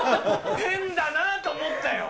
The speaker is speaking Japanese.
変だなと思ったよ。